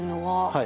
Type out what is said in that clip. はい。